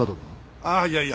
ああいやいや。